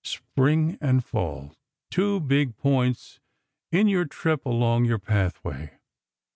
Spring and Fall; two big points in your trip along your Pathway.